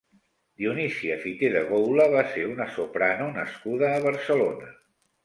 Dionisia Fité de Goula va ser una soprano nascuda a Barcelona.